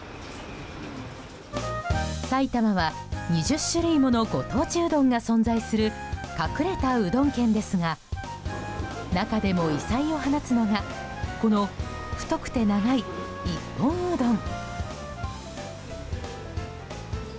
埼玉は２０種類ものご当地うどんが存在する隠れたうどん県ですが中でも異彩を放つのがこの太くて長い一本うどん。